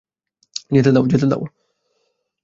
যেতে দাও, যেতে দাও।